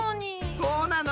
そうなの？